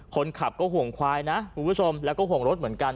คนขับก็ห่วงควายนะคุณผู้ชมแล้วก็ห่วงรถเหมือนกัน